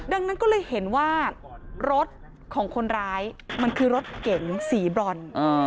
ดังนั้นก็เลยเห็นว่ารถของคนร้ายมันคือรถเก๋งสีบรอน